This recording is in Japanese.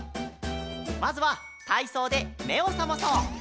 まずはたいそうでめをさまそう！